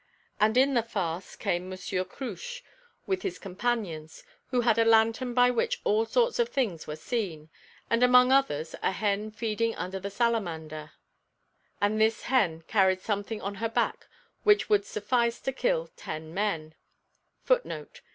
And in the farce came Monsieur Cruche with his companions, who had a lantern by which all sorts of things were seen, and among others a hen feeding under a salamander, (1) and this hen carried something on her back which would suffice to kill ten men (dix hommes, i.e., Disome).